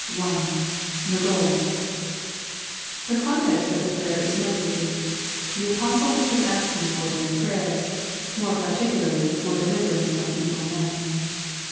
I. The Goal. The context of the prayer is noteworthy. The Apostle had been asking for their prayers, more particularly for deliverance from evil men.